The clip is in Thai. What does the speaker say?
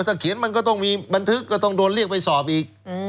ถ้าเขียนมันก็ต้องมีบันทึกก็ต้องโดนเรียกไปสอบอีก